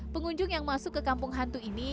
pengunjung yang masuk ke kampung hantu ini